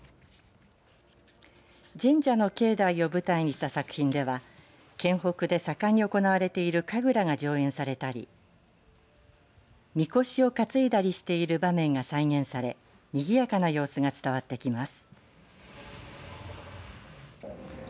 神社の境内を舞台にした作品では県北で盛んに行われている神楽が上演されたりみこしを担いだりしている場面が再現されにぎやかな様子が伝わってきます。